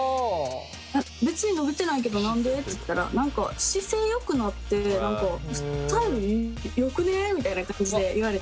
「別に伸びてないけど何で？」って言ったら「姿勢よくなってスタイルよくね？」みたいな感じで言われて。